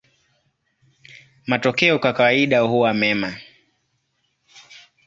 Matokeo kwa kawaida huwa mema.